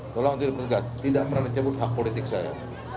tolong tidak pernah dicabut hak politik saya